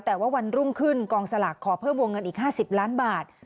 แต่ว่าวันรุ่งขึ้นกองสลากขอเพิ่มวงเงินอีก๕๐ล้านบาท